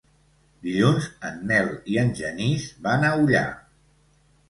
Dilluns en Nel i en Genís van a Ullà.